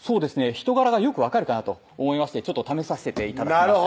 人柄がよく分かるかなと思いましてちょっと試させて頂きました